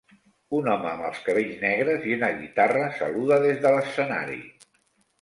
Un home amb els cabells negres i una guitarra saluda des de l'escenari.